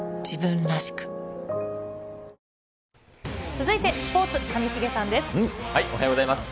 続いてスポーツ、上重さんでおはようございます。